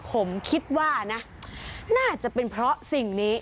ผมคิดว่านะน่าจะเป็นเพราะสิ่งนี้